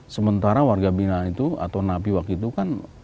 sementara warga bina itu atau napiwak itu kan